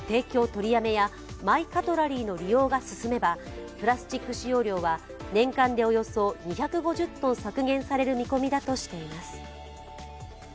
取りやめやマイカトラリーの利用が進めば、プラスチック使用量は年間でおよそ２５０ｔ削減される見込みだとしています。